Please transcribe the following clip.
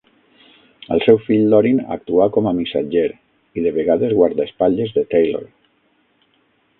El seu fill Lorin actuà com a Missatger i de vegades guardaespatlles de Taylor.